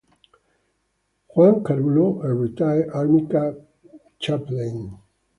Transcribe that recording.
Juan Carullo, a retired Army Chaplain.